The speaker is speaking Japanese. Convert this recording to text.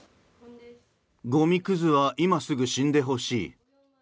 ゴミくずは今すぐ死んでほしい。